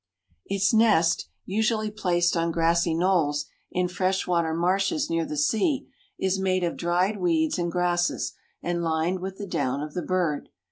Its nest, usually placed on grassy knolls, in fresh water marshes near the sea, is made of dried weeds and grasses and lined with the down of the bird.